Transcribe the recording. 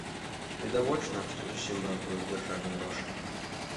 Відавочна, што зусім бракуе ў дзяржаве грошай.